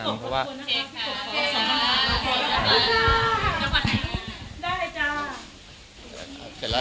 พี่ปกครับขอขอบคุณค่ะ